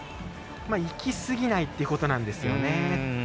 いきすぎないってことなんですけどね。